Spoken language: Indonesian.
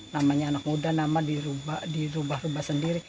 namanya anak muda nama dirubah rubah sendiri